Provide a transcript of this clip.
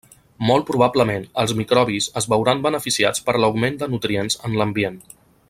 Molt probablement, els microbis es veuran beneficiats per l'augment de nutrients en l'ambient.